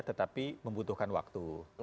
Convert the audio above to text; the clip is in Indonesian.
tetapi membutuhkan waktu